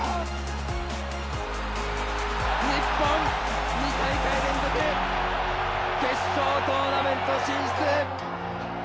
日本、２大会連続決勝トーナメント進出！